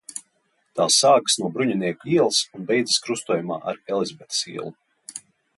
Tā sākas no Bruņinieku ielas un beidzas krustojumā ar Elizabetes ielu.